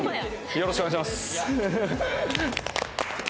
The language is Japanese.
よろしくお願いします。